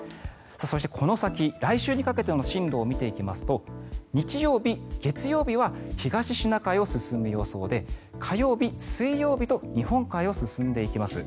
そして、この先、来週にかけての進路を見てみますと日曜日、月曜日は東シナ海を進む予想で火曜日、水曜日と日本海を進んでいきます。